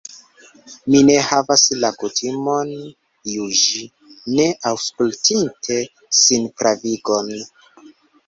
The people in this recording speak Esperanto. Mi ne havas la kutimon juĝi, ne aŭskultinte sinpravigon.